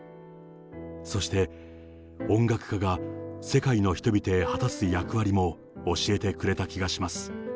そして、音楽家が世界の人々へ果たす役割も教えてくれた気がします。